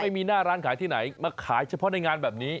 ไม่มีหน้าร้านขายที่ไหนมาขายเฉพาะในงานแบบนี้